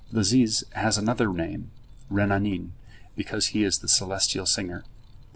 The ziz has another name, Renanin, because he is the celestial singer.